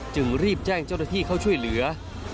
จึงรีบแจ้งเจ้าหน้าที่เข้าช่วยเหลือ